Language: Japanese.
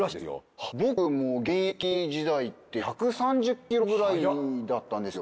僕も現役時代って１３０ｋｍ／ｈくらいだったんですよ。